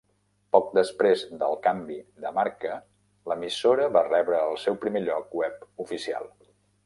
Poc després del canvi de marca, l'emissora va rebre el seu primer lloc web oficial.